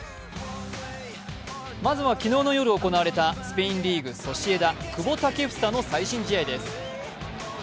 まずは昨日の夜行われたスペインリーグ・ソシエダ久保建英の最新試合です。